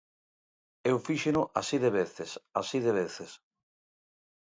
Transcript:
Eu fíxeno así de veces, así de veces.